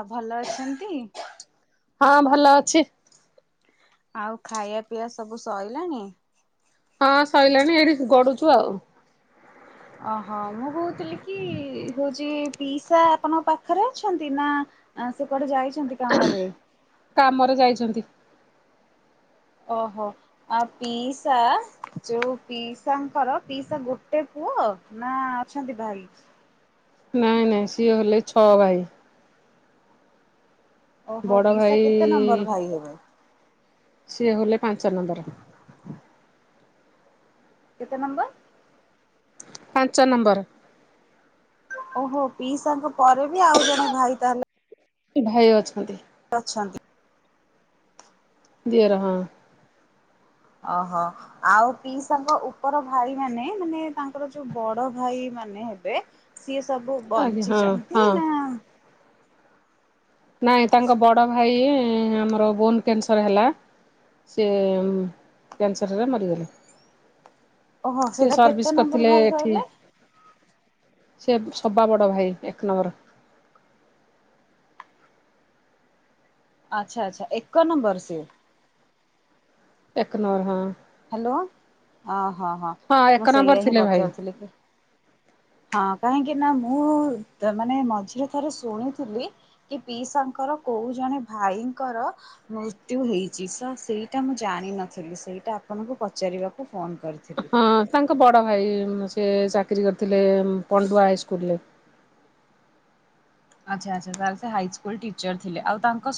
ଆଉ ଭଲ ଅଛନ୍ତି? ହଁ ଭଲ ଅଛି। ଆଉ ଖାଇବା ପିଇବା ସବୁ ସଇଲାଣି? ହଁ ସଇଲାଣି ଏଇଠି ଗଡୁଚୁ ଆଉ। ଓହୋ ମୁଁ କହୁଥିଲି କି ହଉଚି ପିସା ଆପଣଙ୍କ ପାଖରେ ଅଛନ୍ତି ନା ଆ ସେ କଆଡେ ଯାଇଛନ୍ତି କାମରେ। କାମରେ ଯାଇଛନ୍ତି। ଓହୋ ଆ ପିସା ଯୋଉ ପିସାଙ୍କର ପିସା ଗୋଟେ ଗୋଟେ ପୁଅ ନା ଅଛନ୍ତି ଭାଇ? ନାଇଁ ନାଇଁ ସିଏ ହେଲେ ଛଅ ଭାଇ। ଓହୋ ବଡ ପିଇସା ଭାଇ କେତେ ନମ୍ବର ଭାଇ ହେବେ? ସିଏ ହେଲେ ପାଞ୍ଚ ନମ୍ବର। କେତେ ନମ୍ବର? ପାଞ୍ଚ ନମ୍ବର। ଓହୋ ପିଇସାଙ୍କ ପରେ ବି ଆଉ ଜଣେ ଭାଇ ତାହେଲେ ଭାଇ ଅଛନ୍ତି। ଅଛନ୍ତି। ଦିଅର ହ। ଓହୋ। ଆଉ ପିଇସାଙ୍କ ଉପର ଭାଇ ମାନେ ମାନେ ତାଙ୍କର ଯୋଉ ବଡ ଭାଇ ମାନେ ହେବେ ସିଏ ସବୁ ଆଜ୍ଞା ହଁ ହଁ। ବଞ୍ଚିଛନ୍ତି ନା ନାଇଁ ତାଙ୍କ ବଡ ଭାଇ ଆମର ବୋନ କ୍ୟାନସର ହେଲା। ସେ କ୍ୟାନସରରେ ମରିଗଲେ। ଓହୋ ସେ ସେଇଟା କେତେ ସର୍ଭିସ ନମ୍ବର କରିଥିଲେ ଭାଇ ଏଠି। କହିଲେ? ସେ ସବା ବଡ଼ ଭାଇ ଆମର। ଆଚ୍ଛା ଆଚଛା ଏକ ନମ୍ବର ଯିଏ? ଏକ ନମ୍ବର ହଁ। ହ୍ୟାଲୋ ଅଁ ହଁ ହଁ। ହଁ ମୁଁ ଏକ ସେଇଆ ନମ୍ବର ହିଁ ଥିଲେ ଭାଇ। ପଚାରୁଥିଲି କି ହଁ କାହିଁକି ନା ମୁଁ ମାନେ ମଝିରେ ଥରେ ଶୁଣିଥିଲି। କି ପିଇସାଙ୍କର କୋଉ ଜଣେ ଭାଇଙ୍କର ମୃତ୍ୟୁ ହେଇଛି। ତ ସେଇଟା ମୁଁ ଜାଣିନଥିଲି ସେଇଟା ଆପଣଙ୍କୁ ପଚାରିବାକୁ ଫୋନ କରିଥିଲି। ହଁ ତାଙ୍କ ବଡ ଭାଇ ସେ ଚାକିରି କରିଥିଲେ ପଣ୍ଡୁଆ ହାଇସ୍କୁଲରେ। ଆଚ୍ଛା ଆଚ୍ଛା ସାର୍ ସେ ହାଇସ୍କୁଲ ଟିଚର ଥିଲେ, ଆଉ ତାଙ୍କ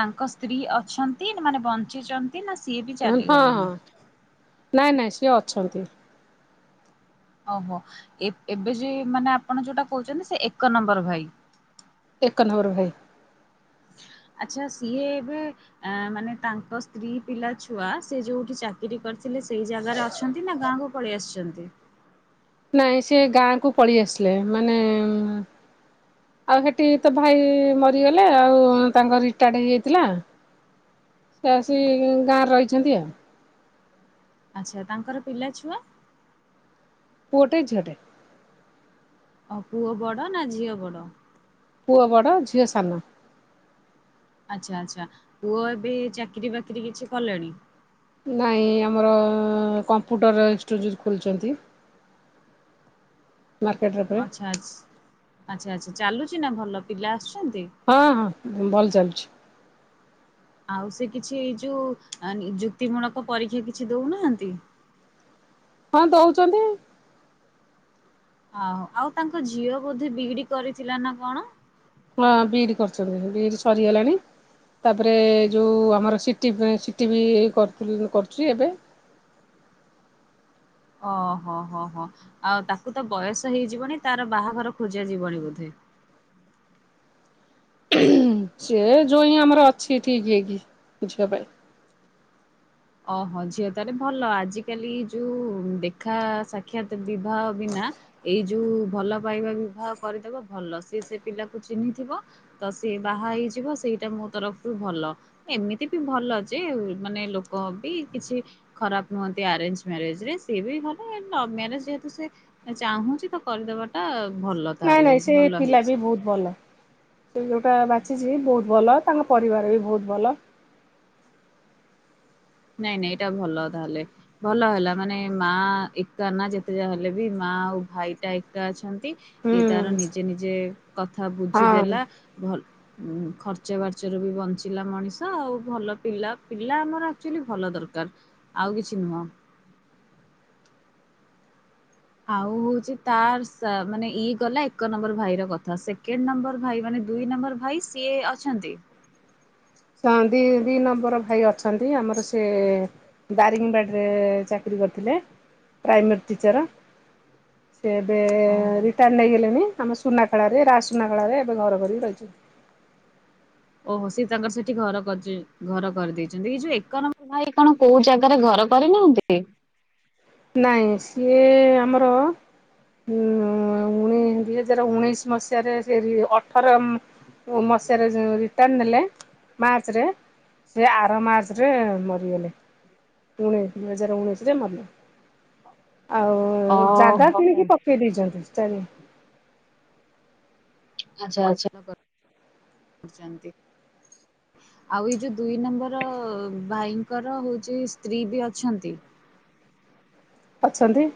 ତାଙ୍କ ସ୍ତ୍ରୀ ଅଛନ୍ତି, ନା ମାନେ ବଞ୍ଚିଛନ୍ତି ନା ସିଏ ବି ହଁ ଚାଲିଗଲେଣି? ହଁ। ନାଇଁ ନାଇଁ ସିଏ ଅଛନ୍ତି। ଓହୋ ଏବେ ଯ ମାନେ ଆପଣ ଯୋଉଟା କହୁଛନ୍ତି ସେ ଏକ ନମ୍ବର ଭାଇ। ଏକ ନମ୍ବର ଭାଇ। ଆଚ୍ଛା ସିଏ ଏବେ ଆ ମାନେ ତାଙ୍କ ସ୍ତ୍ରୀ ପିଲା ଛୁଆ ସେ ଯୋଉଠି ଚାକିରି କରିଥିଲେ ସେଇ ଜାଗାରେ ଅଛନ୍ତି ନା ଗାଁ ପଳେଇ ଆସିଛନ୍ତି? ନାଇଁ ସେ ଗାଁ କୁ ପଳେଇ ଆସିଲେ ମାନେ ଆଉ ସେଠି ତୋ ଭାଇ ମରିଗଲେ ଆଉ ତାଙ୍କ ରିଟାୟାର୍ଡ ହେଇଯାଇଥିଲା। ସେ ଆସି ଗାଁରେ ରହିଛନ୍ତି ଆଉ। ଆଚ୍ଛା ତାଙ୍କର ପିଲା ଛୁଆ? ପୁଅଟେ ଝିଅଟେ। ପୁଅ ବଡ ନା ଝିଅ ବଡ? ପୁଅ ବଡ଼ ଝିଅ ସାନ। ଆଚ୍ଛା ଆଚ୍ଛା ପୁଅ ଏବେ ଚାକିରି ବାକିରି କିଛି କଲେଣି? ନାଇଁ ଆମର-ଅ-ଅ-ଅ କମ୍ପ୍ୟୁଟର ଇନଷ୍ଟିଚ୍ୟୁଟ୍ ଖୋଲିଛନ୍ତି। ମାର୍କେଟର ଆଚ୍ଛା ଆଛ୍, ଆଚ୍ଛା ଆଚ୍ଛା ଚାଲୁଛି ନା ଭଲ, ପିଲା ଆସୁଛନ୍ତି? ହଁ ହଁ, ଭଲ ଚାଲୁଛି। ଆଉ ସେ କିଛି ଏଇ ଯୋଉ ନିଯୁକ୍ତି ମୂଳକ ପରୀକ୍ଷା କିଛି ଦଉନାହାନ୍ତି? ହଁ ଦଉଛନ୍ତି। ଆହୁ, ଆଉ ତାଙ୍କ ଝିଅ ବୋଧେ ବିଇଡି କରିଥିଲା ନା କଣ? ହଁ ବିଇଡି କରିଛନ୍ତି, ବିଇଡି ସରିଗଲାଣି। ତାପରେ ଯୋଉ ଆମର ସିଟି ସିଟି ବି କରିଥିଲି କରୁଛି ଏବେ। ଓହୋଃ ହଁ-ହଁ, ଆଉ ତାକୁ ତ ବୟସ ହେଇଯିବଣି ତାର ବାହାଘର ଖୋଜା ଯିବଣି ବୋଧେ। ସେ ଜୋଇଁ ଆମର ଅଛି ଠିକ୍ ହେ କିି ବୁଝିିବା ପାଇଁ। ଓହୋଃ, ଝିଅ ତାହେଲେ ଭଲ ଆଜିକାଲି ଯୋଉ ଦେଖା ସାକ୍ଷାତ ବିବାହ ବିନା ଏଇ ଯୋଉ ଭଲ ପାଇବା ବିବାହ କରିଦେବ ଭଲ ସିଏ ସେ ପିଲାକୁ ଚିହ୍ନିଥିବ। ତ ସିଏ ବାହା ହେଇଯିବ ସେଇଟା ମୋ ତରଫରୁ ଭଲ। ଏମିତି ବି ଭଲ ଯେ ମାନେ ଲୋ ଲୋକ ବି କିଛି ଖରାପ ନୁହନ୍ତି ଆରେଞ୍ଜ୍ ମ୍ୟାରେଜରେ ସିଏ ବି ଭଲ, ଲଭ୍ ମ୍ୟାରେଜ୍ ଯେହେତୁ ସେ ଚାହୁଁଛି ତ କରିଦେବାଟା ଭଲ ନାଇଁ ତାହେଲେ ନାଇଁ ସେ ଭଲ ପିଲା ବି ହେଇଛି। ବହୁତ ଭଲ। ସେ ଯୋଉଟା ବାଛିଛି ବହୁତ ଭଲ ତାଙ୍କ ପରିବାର ବି ବହୁତ ଭଲ। ନାଇଁ ନାଇଁ ଏଇଟା ଭଲ ତାହେଲେ। ଭଲ ହେଲା ମାନେ ମାଆ ଏକା ନା, ଯେତେ ଯାହେଲେ ବି ମାଆ ଆଉ ଭାଇଟା ଏକା ଅଛନ୍ତି। ହୁଁ ଇଏ ତାର ନିଜେ ନିଜେ କଥା ହଁ। ବୁଝିଦେଲା ଭଲ୍। ଉଁ ଖର୍ଚ୍ଚ ବାର୍ଚ୍ଚରୁ ବି ବଞ୍ଚିଲା ମଣିଷ, ଆଉ ଭଲ ପିଲା ପିଲା ଆମର ଆକ୍ଚୁଆଲି ଭଲ ଦରକାର ଆଉ କିଛି ନୁହଁ। ଆଉ ହଉଛି ତାର୍ ସା ମାନେ ଇଏ ଗଲା ଏକ ନମ୍ବର। ଭାଇର କଥା, ସେକେଣ୍ଡ ନମ୍ବର ଭାଇ ମାନେ ଦୁଇ ନମ୍ବର ଭାଇ ସିଏ ଅଛନ୍ତି? ସନ୍ଦୀ ଦି ନମ୍ବର ଭାଇ ଅଛନ୍ତି ଆମର ସେ ଦାରିଙ୍ଗବାଡ଼ିରେ ଚାକିରି କରିଥିଲେ ପ୍ରାଇମେରୀ ଟିଚର। ସେ ଏବେ ଓହୋ ରିଟାୟାର୍ଡ ନେଇଗଲେଣି ଆମ ସୁନାଖେଳାରେ ରାଜସୁନାଖେଳାରେ ଏବେ ଘର କରିକି ରହିଛନ୍ତି। ଓହୋଃ ସେ ତାଙ୍କର ସେଠି ଘର କରିଛି। ଘର କରିଦେଇଛନ୍ତି, ଏଇ ଯୋଉ ଏକ ନମ୍ବର ଭାଇ କଣ କୋଉ ଜାଗାରେ ଘର କରିନାହାନ୍ତି? ନାଇଁ ସିଏ ଆମର ଉଁ-ଉଁ-ଉଁ-ଉଁ ଉଣେ ଦି ହଜାର ଉଣେଇଶି ମସିହାରେ ସେ ରି-ଇ-ଇ ଅଠରମ୍ ମସିହାରେ ସେ ରିଟାୟାର୍ଡ ନେଲେ ମାର୍ଚ୍ଚରେ ସେ ଆର ମାର୍ଚ୍ଚରେ ମରିଗଲେ। ଉଁ ଦି ହଜାର ଉଣେଇଶିରେ ମରିଗଲେ। ଆଉ-ଉ-ଉ ଜାଗା ଓହୋ କିଣିକି ଆଚ୍ଛା ପକେଇ ଦେଇଛନ୍ତି ଚାରି ଆଚ୍ଛା ଆଚ୍ଛା [inaudible] କରିଛନ୍ତି। ଆଉ ଏଇ ଯୋଉ ଦୁଇ ନମ୍ବର-ଅ-ଅ ଭାଇଙ୍କର ହଉଛି ସ୍ତ୍ରୀ ବି ଅଛନ୍ତି? ଅଛନ୍ତି।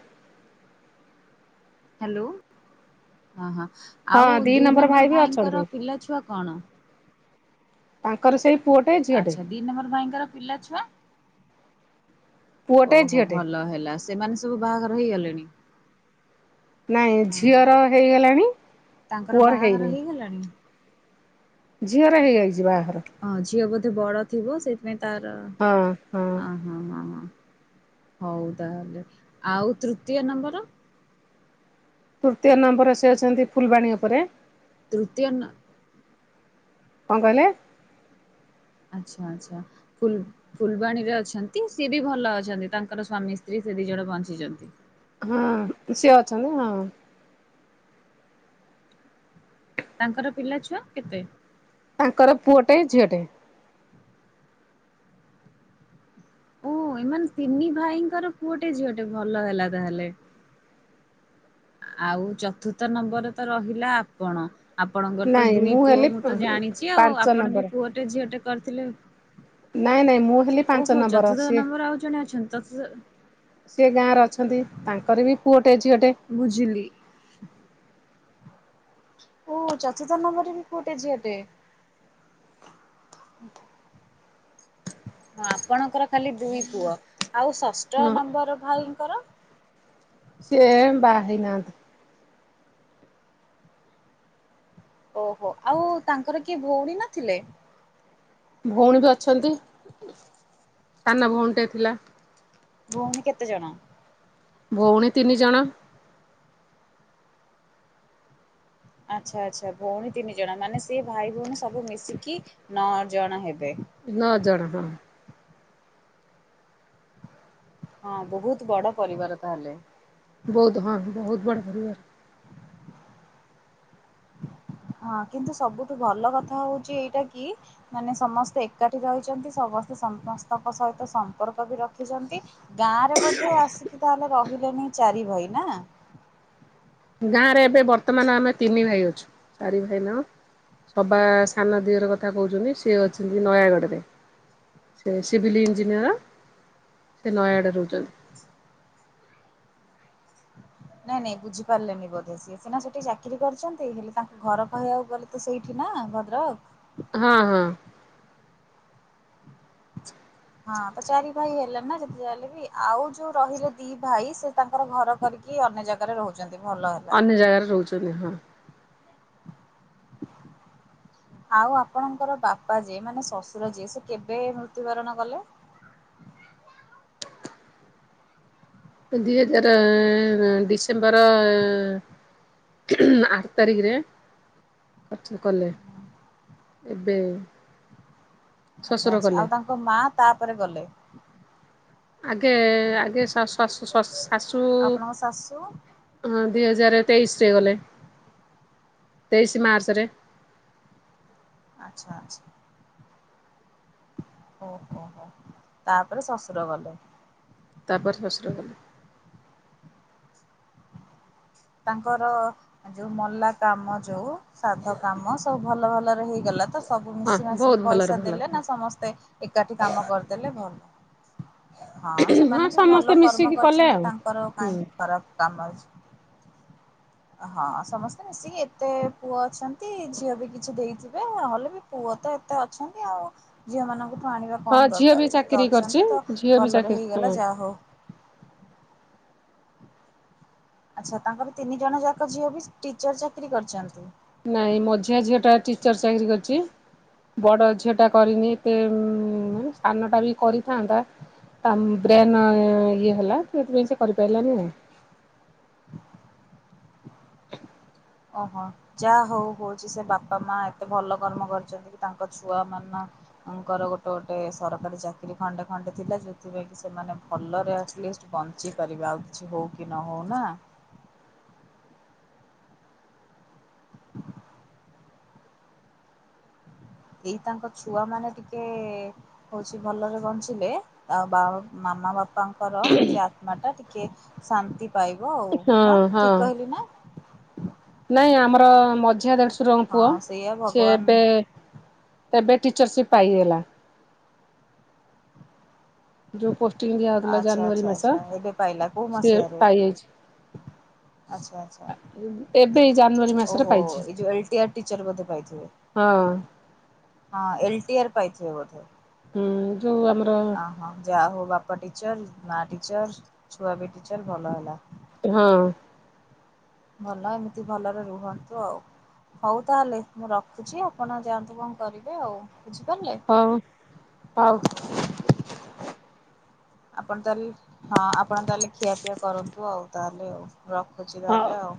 ହଁ-ହଁ, ହଁ ଆଉ ଦି ଦୁଇ ଭାଇ ନମ୍ବର ବି ଅଛନ୍ତି ଭାଇଙ୍କର ପିଲାଛୁଆ କଣ? ତାଙ୍କର ସେଇ ପୁଅଟେ ଝିଅଟେ। ଆଚ୍ଛା ଦି ନମ୍ବର ଭାଇଙ୍କର ପିଲାଛୁଆ? ପୁଅଟେ ଓହୋଃ, ଝିଅଟେ ଭଲ ହେଲା ସେମାନେ ସବୁ ବାହାଘର ହେଇଗଲେଣି? ନାଇଁ ହଁ ଝିଅର ହେଇଗଲାଣି, ପୁଅର ହେଇନି। ହେଲାଣି। ଝିଅର ହେଇଯାଇଛି ବାହାଘର। ହଁ ଝିଅ ବୋଧେ ବଡ ଥିବ ସେଇଥିପାଇଁ ତାର‌, ଅ ହଁ ହଁ ହଁ ହଉ ତାହା ହେଲେ ଆଉ ତୃତୀୟ ନମ୍ବର? ତୃତୀୟ ନମ୍ବର ସେ ଅଛନ୍ତି ଫୁଲବାଣୀ ଉପରେ। ତୃତୀୟ ନ କଣ କହିଲେ? ଆଚ୍ଛା ଆଚ୍ଛା। ଫୁଲ ଫୁଲବାଣୀରେ ଅଛନ୍ତି ସେ ବି ଭଲ ଅଛନ୍ତି ତାଙ୍କର ସ୍ଵାମୀ ସ୍ତ୍ରୀ ସେ ଦି ଜଣ ବଞ୍ଚିଛନ୍ତି। ହଁ ସିଏ ଅଛନ୍ତି ହଁ। ତାଙ୍କର ପିଲା ଛୁଆ କେତେ? ତାଙ୍କର ପୁଅଟେ ଝିଅଟେ। ଓ ଏମାନେ ତିିନି ଭାଇଙ୍କର ପୁଅଟେ ଝିଅଟେ ଭଲ ହେଲା ତାହେଲେ। ଆଉ ଚତୁର୍ଥ ନମ୍ବରରେ ତ ରହିଲା ଆପଣ। ଆପଣଙ୍କର ତ ନାଇଁ ଦୁଇ ପୁଅ ହେଲି ମୁଁ ତ ଜାଣିଛି ଆଉ ପାଞ୍ଚ ଆପଣ ବି ନମ୍ବର ପୁଅଟେ ଝିଅଟେ କରିଥିଲେ ନାଇଁ ନାଇଁ ମୁଁ ହେଲି ପାଞ୍ଚ ଓହୋ ନମ୍ବର ଚତୁର୍ଥ ସିଏ ନମ୍ବର ଆଉ ଜଣେ ଅଛନ୍ତି ତ ସେ ସେ ଗାଁରେ ଅଛନ୍ତି ତାଙ୍କର ବି ପୁଅଟେ ଝିଅଟେ। ବୁଝିଲି। ଓ ଚତୁର୍ଥ ନମ୍ବରରେ ବି ପୁଅଟେ ଝିଅଟେ। ହଁ ଆପଣଙ୍କର ଖାଲି ଦୁଇ ପୁଅ ଆଉ ଷଷ୍ଠ ହଁ ନମ୍ବର ଭାଇଙ୍କର? ସେ ବାହା ହେଇ ନାହାନ୍ତି। ଓହୋ ଆଉ ତାଙ୍କର କିଏ ଭଉଣୀ ନଥିଲେ? ଭଉଣୀ ବି ଅଛନ୍ତି ସାନ ଭଉଣୀ ଟିଏ ଥିଲା। ଭଉଣୀ କେତେ ଜଣ? ଭଉଣୀ ତିନି ଜଣ। ଆଚ୍ଛା ଆଚ୍ଛା ଭଉଣୀ ତିନି ଜଣ ମାନେ ସେ ଭାଇ ଭଉଣୀ ସବୁ ମିଶିକି ନଅ ଜଣ ହେବେ‌। ନଅ ଜଣ ହଁ। ହଁ ବହୁତ୍ ବଡ ପରିବାର ତାହେଲେ। ବହୁତ୍ ହଁ ବହୁତ୍ ବଡ଼ ପରିବାର। ହଁ କିନ୍ତୁ ସବୁଠୁ ଭଲ କଥା ହେଉଛି ଏଇଟା କି ମାନେ ସମସ୍ତେ ଏକାଠି ରହିଛନ୍ତି ସମସ୍ତେ ସମସ୍ତଙ୍କ ସହିତ ସମ୍ପର୍କ ବି ରଖିଛନ୍ତି ଗାଁ ରେ ବୋଧେ ଆସିକି ତାହେଲେ ରହିଲେନି ଚାରି ଭାଇ ନା? ଗାଁ ରେ ଏବେ ବର୍ତ୍ତମାନ ଆମେ ତିନି ଭାଇ ଅଛୁ ଚାରି ଭାଇ ନାଁ ସବା ସାନ ଦିଅର କଥା କହୁଛନ୍ତି ସିଏ ଅଛନ୍ତି ନୟାଗଡ଼ରେ। ସେ ସିଭିଲ୍ ଇଞ୍ଜିନିୟର ସେ ନୟାଗଡ଼ରେ ରହୁଛନ୍ତି। ନାଇଁ ନାଇଁ ବୁଝିପାରିଲେ ନି ବଧେ ସିଏ ସିନା ସେଠି ଚାକିରି କରିଛନ୍ତି ହେଲେ ତାଙ୍କୁ ଘର କହିବାକୁ ଗଲେ ତ ସେଇଠି ନା ଭଦ୍ରକ୍? ହଁ ହଁ। ହଁ ତ ଚାରି ଭାଇ ହେଲେ ନା ଯେତେ ଯାହା ହେଲେ ବି ଆଉ ଯୋଉ ରହିଲେ ଦି ଭାଇ ସେ ତାଙ୍କର ଘର କରିକି କି ଅନ୍ୟ ଜାଗାରେ ରହୁଛନ୍ତି ଭଲ ହବ୍ ଅନ୍ୟ ଜାଗାରେ ରହୁଛନ୍ତି ହଁ ‌। ଆଉ ଆପଣଙ୍କର ବାପା ଯିଏ ମାନେ ଶଶୁର ଯିଏ ସେ କେବେ ମୃତ୍ୟୁବରଣ କଲେ? ଦୁଇ ହଜାର ଡିସେମ୍ବର ଆଠ ତାରିଖରେ ଖର୍ଚ୍ଚ କଲେ। ଏବେ ଆଛା ଶ୍ୱଶୁର ଆଚ୍ଛା କଲେ ଆଉ ତାଙ୍କ ମା ତାପରେ ଗଲେ। ଆଗେ ଆଗେ ଶ-ଶ-ଶ-ଶାଶୁ ଆପଣଙ୍କ ଶାଶୁ ହଁ ଦିଇହଜାରେ ତେଇଶିରେ ଗଲେ ତେଇଶି ମାର୍ଚ୍ଚରେ। ଆଚ୍ଛା ଆଚ୍ଛା। ଓହୋହୋ ତାପରେ ଶାଶୁର ଗଲେ। ତାପରେ ଶଶୁର ଗଲେ। ତାଙ୍କର ଯୋଉ ମଲା କାମ ଯୋଉ ସ୍ରାଧ କାମ ସବୁ ଭଲ ଭଲରେ ହେଇଗଲା ତ? ସବୁ ହଁ ମିଶି ବହୁତ ମାସିକି ଭଲରେ ପଇସା ଭଲ ଦେଲେ କଥା ନା ସମସ୍ତେ ଏକାଠି କାମ କରିଦେଲେ ଭଲ। ହଁ ହଁ ସେମାନେ ବି ସମସ୍ତେ ଭଲ କର୍ମ ମିଶିକି କଲେ ଆଉ କରିଚନ୍ତି ତାଙ୍କର ହୁଁ କାହିଁକି ଖରାପ କାମ ଅଛି। ହଁ ସମସ୍ତେ ମିଶିକି ଏତେ ପୁଅ ଅଛନ୍ତି। ଝିଅ ବି କିଛି ଦେଇଥିବେ ନହଲେ ବି ପୁଅ ତ ଏତେ ଅଛନ୍ତି ଆଉ ଝିଅ ମାନଙ୍କୁ ଆଣିବା ହଁ କଣ ଝିଅ ବି ଦରକାର ଏତେ ତ ଚାକିରି କରିଛି ଅଛନ୍ତି ତ ଝିଅ ବି ଭଲରେ ହେଇଗଲା ଚାକିରି ଯାହା ହୋଉ। ଆଚ୍ଛା ତାଙ୍କର ତିନି ଜଣ ଯାକ ଝିଅ ବି ଟିଚର୍ ଚାକିରି କରିଚନ୍ତି? ନାଇଁ ମଝଆଁ ଝିଅଟା ଟିଚର୍ ଚାକିରି କରିଚି। ବଡ ଝିଅଟା କରିନି ଏତେ ସାନଟା ବି କରିଥାନ୍ତା। ତା ବ୍ରେନ୍ ଇଏ ହେଲା ତ ସେଥିପାଇଁ ସେ କରି ପାଇଲାନି ଆଉ। ଓହୋ। ଯାହା ହୋଉ ହୋଉଚି ସେ ବାପା ମା ଏତେ ଭଲ କର୍ମ କରିଚନ୍ତି କି ତାଙ୍କ ଛୁଆ ମାନ ଙ୍କର ଗୋଟେ ଗୋଟେ ସରକାରୀ ଚାକିରୀ ଖଣ୍ଡେ ଖଣ୍ଡେ ଥିଲା। ସେଇଥିପାଇଁ କି ସେମାନେ ଭଲରେ ଆଟଲିଷ୍ଟ ବଞ୍ଚି ପାରିବେ ଆଉ କିଛି ହୋଉ କି ନ ହୋଉ ନା। ଏଇ ତାଙ୍କ ଛୁଆ ମାନେ ଟିକେ ହୋଉଚି ଭଲରେ ବଞ୍ଚିଲେ ଆଉ ବାଅ ମାମା ବାପାଙ୍କର ହୋଉଚି ଆତ୍ମା ଟା ଟିକେ ଶାନ୍ତି ପାଇବ ଆଉ ହଁ ନା ହଁ ଠିକ୍ କହିଲି ନା। ନାଇଁ ଆମର ମଝିଆଁ ଦେଢସୁରଙ୍କ ହଁ ପୁଅ ସେଇଆ ସିଏ ଭଗବାନ ଏବେ ଏବେ ଟିଚରସିପ୍ ପାଇଗଲା। ଯୋଉ ପୋଷ୍ଟିଂ ଦିଆ ହୋଉଥିଲା ଆଚ୍ଛା ଜାନୁଆରୀ ଆଚ୍ଛା ମାସ ଆଚ୍ଛା ଏବେ ପାଇଲା କୋଉ ସିଏ ମସିହାରେ ପାଇଯାଇଚି। ଆଚ୍ଛା ଆଛା ମାସରେ ଓହୋ ପାଇଛି ଏ ଯୋଉ ଏଲ୍ ଟି ଆର ଟିଚର୍ ବୋଧେ ପାଇଥିବେ। ହଁ। ହଁ ଏଲ୍ ଟି ଆର ପାଇଥିବେ ବୋଧେ। ହୁଁ ଯୋଉ ଆମର ହଁ ଯାହା ହୋଉ ବାପା ଟିଚର ମା ଟିଚର ଛୁଆ ବି ଟିଚର ଭଲ ହେଲା। ହଁ। ଭଲ ଏମିତି ଭଲରେ ରୁହନ୍ତୁ ଆଉ। ହୋଉ ତାହେଲେ ମୁଁ ରଖୁଚ। ଆପଣ ଯାଆନ୍ତୁ କଣ କରିବେ ଆଉ ବୁଝିପାରିଲେ। ହୋଉ ହୋଉ। ଆପଣ ତାହେଲେ ହଁ ଆପଣ ତାହେଲେ ଖିଆପିଆ କରନ୍ତୁ ଆଉ ତାହେଲେ ଆଉ। ରଖୁଚି ହଉ। ତାହେଲେ ଆଉ।